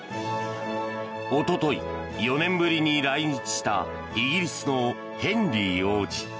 おととい、４年ぶりに来日したイギリスのヘンリー王子。